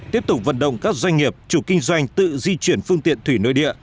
tiếp tục vận động các doanh nghiệp chủ kinh doanh tự di chuyển phương tiện thủy nội địa